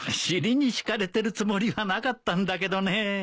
尻に敷かれてるつもりはなかったんだけどねぇ。